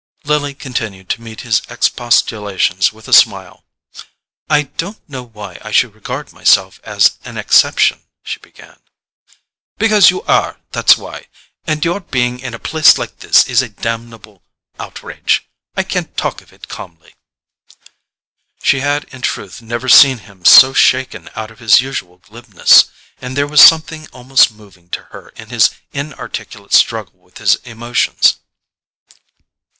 Lily continued to meet his expostulations with a smile. "I don't know why I should regard myself as an exception——" she began. "Because you ARE; that's why; and your being in a place like this is a damnable outrage. I can't talk of it calmly." She had in truth never seen him so shaken out of his usual glibness; and there was something almost moving to her in his inarticulate struggle with his emotions.